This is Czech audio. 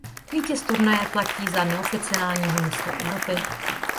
Vítěz turnaje platí za neoficiálního mistra Evropy.